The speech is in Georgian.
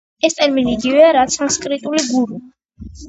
ეს ტერმინი იგივეა, რაც სანსკრიტული „გურუ“.